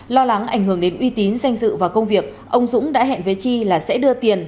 lo lắng ảnh hưởng đến uy tín danh dự và công việc ông dũng đã hẹn với chi là sẽ đưa tiền